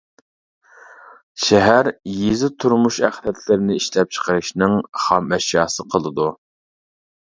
شەھەر، يېزا تۇرمۇش ئەخلەتلىرىنى ئىشلەپچىقىرىشنىڭ خام ئەشياسى قىلىدۇ.